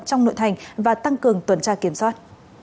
trong nội thành và tăng cường tuần tra kiểm soát